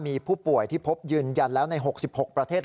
มีผู้ป่วยที่พบยืนยันแล้วใน๖๖ประเทศ